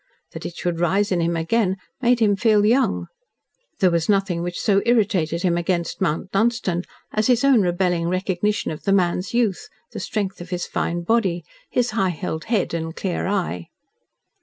That it should rise in him again made him feel young. There was nothing which so irritated him against Mount Dunstan as his own rebelling recognition of the man's youth, the strength of his fine body, his high held head and clear eye.